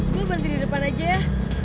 gue berhenti di depan aja